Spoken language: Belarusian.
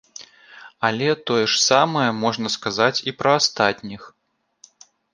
Але тое ж самае можна сказаць і пра астатніх.